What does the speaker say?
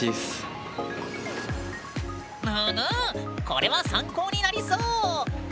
これは参考になりそう。